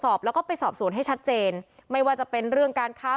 สอบแล้วก็ไปสอบสวนให้ชัดเจนไม่ว่าจะเป็นเรื่องการค้า